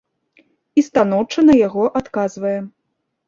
І станоўча на яго адказвае.